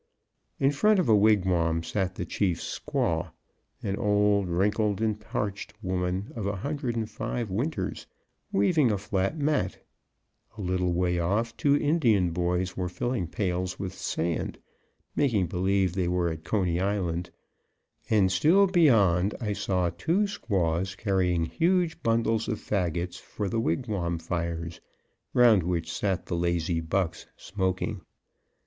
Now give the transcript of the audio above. In front of a wigwam sat the chief's squaw, an old, wrinkled and parched woman of a hundred and five winters, weaving a flat mat; a little way off two Indian boys were filling pails with sand, making believe they were at Coney Island; and still beyond I saw two squaws carrying huge bundles of faggots for the wigwam fires, round which sat the lazy bucks, smoking.